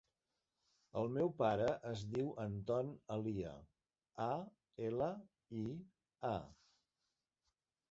El meu pare es diu Anton Alia: a, ela, i, a.